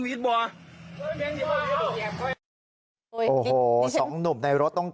เลี้ยงเลี้ยงเลี้ยงเลี้ยงเลี้ยงเลี้ยง